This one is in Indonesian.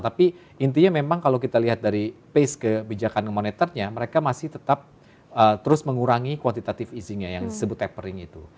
tapi intinya memang kalau kita lihat dari pace kebijakan ke moneternya mereka masih tetap terus mengurangi kuantitatif izinnya yang disebut tapering itu